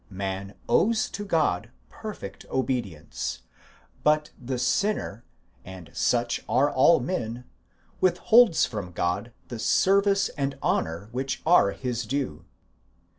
Man owes to God perfect obedience ; but the sinner—and such are all men—withholds from God the service and honour which are His due.